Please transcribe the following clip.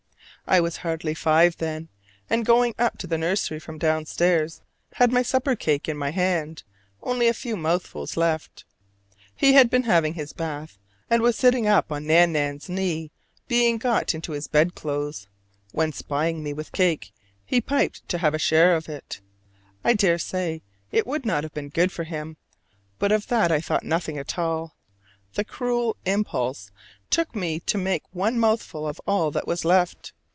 I was hardly five then, and going up to the nursery from downstairs had my supper cake in my hand, only a few mouthfuls left. He had been having his bath, and was sitting up on Nan nan's knee being got into his bed clothes; when spying me with my cake he piped to have a share of it. I dare say it would not have been good for him, but of that I thought nothing at all: the cruel impulse took me to make one mouthful of all that was left.